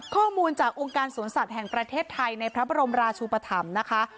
ข้อมูลจากองค์การสวนสัตว์แห่งประเทศไทยในพระบรมราชุปธรรมนะคะ